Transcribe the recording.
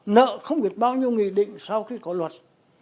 nợ không biết bao nhiêu nghị định sau khi có luật